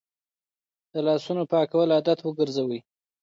د لاسونو پاکول عادت وګرځوئ.